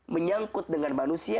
menyangkut dengan manusia